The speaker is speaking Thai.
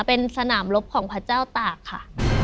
เป็นสนามลบของพระเจ้าตากค่ะ